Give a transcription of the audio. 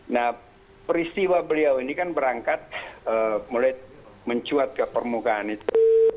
nah peristiwa beliau ini kan berangkat mulai mencuat ke permukaan itu